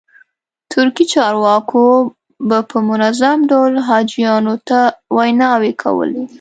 ترکي چارواکو به په منظم ډول حاجیانو ته ویناوې کولې.